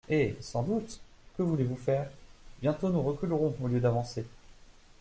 Eh ! sans doute ! que voulez-vous faire ? Bientôt nous reculerons au lieu d'avancer.